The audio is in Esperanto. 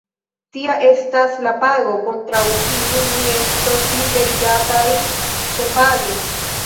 Tia estas la pago, kontraŭ kiu ni estos liberigataj senpage!